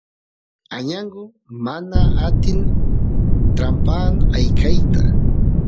añangu mana atin trampaan ayqeyta